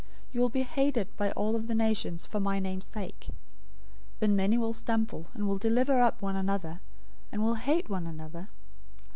You will be hated by all of the nations for my name's sake. 024:010 Then many will stumble, and will deliver up one another, and will hate one another.